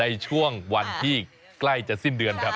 ในช่วงวันที่ใกล้จะสิ้นเดือนครับ